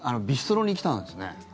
ビストロに来たんですよね。